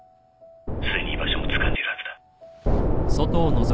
すでに居場所もつかんでいるはずだ。